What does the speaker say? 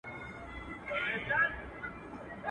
پر ملا کړوپ عمر خوړلی.